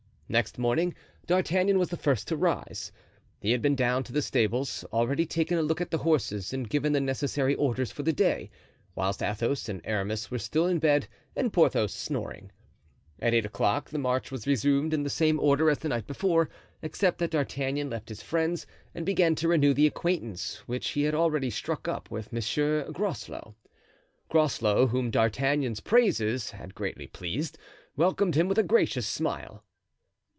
Next morning D'Artagnan was the first to rise. He had been down to the stables, already taken a look at the horses and given the necessary orders for the day, whilst Athos and Aramis were still in bed and Porthos snoring. At eight o'clock the march was resumed in the same order as the night before, except that D'Artagnan left his friends and began to renew the acquaintance which he had already struck up with Monsieur Groslow. Groslow, whom D'Artagnan's praises had greatly pleased, welcomed him with a gracious smile.